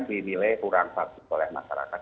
dimilih kurang faktis oleh masyarakat